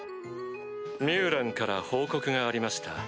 ミュウランから報告がありました。